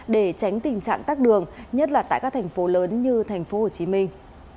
để tránh tình trạng tắt đường nhất là tại các thành phố lớn như thành phố hồ chí minh